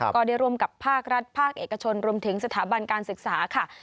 ก็ได้ร่วมกับภาครัฐภาคเอกชนรวมถึงสถาบันการศึกษาค่ะ